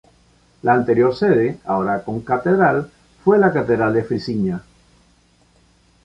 La anterior sede, ahora concatedral, fue la Catedral de Frisinga.